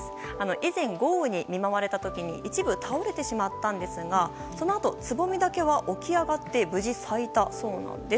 以前、豪雨に見舞われた時に一部倒れてしまったんですがそのあとつぼみだけは起き上がって無事、咲いたそうです。